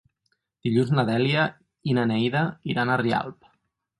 Dilluns na Dèlia i na Neida iran a Rialp.